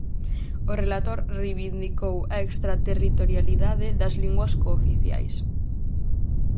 O relator reivindicou a "extraterritorialidade" das linguas cooficiais.